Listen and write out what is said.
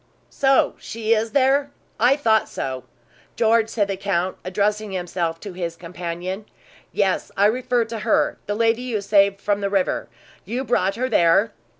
"So she is there? I thought so, George," said the count, addressing himself to his companion. "Yes, I refer to her, the lady you saved from the river. You brought her there?"